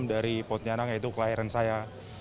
dari pontianak yaitu kelahiran saya